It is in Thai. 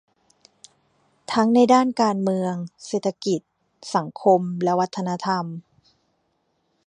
ทั้งในด้านการเมืองเศรษฐกิจ สังคม และวัฒนธรรม